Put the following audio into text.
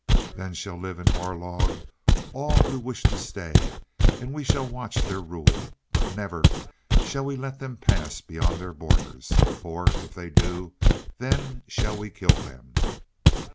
"Then shall live in Orlog all who wish to stay, and we shall watch their rule, but never shall we let them pass beyond their borders. For if they do, then shall we kill them.